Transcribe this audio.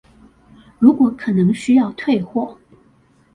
如果可能需要退貨